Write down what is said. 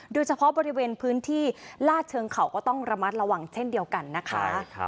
โดยเฉพาะบริเวณพื้นที่ลาดเชิงเขาก็ต้องระมัดระวังเช่นเดียวกันนะคะ